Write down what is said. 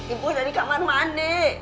ibu dari kamar mandi